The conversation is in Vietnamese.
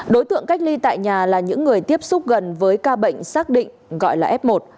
đối tượng cách ly tại nhà là những người tiếp xúc gần với ca bệnh xác định gọi là f một